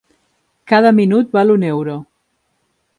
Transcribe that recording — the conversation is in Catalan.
Cada minut val un euro.